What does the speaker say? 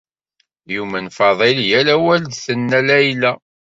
Yumen Faḍil yal awal d-tenna Layla.